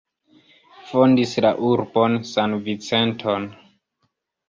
Fondis la urbon San-Vicenton.